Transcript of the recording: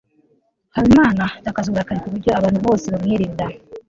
habimana atakaza uburakari ku buryo abantu bose bamwirinda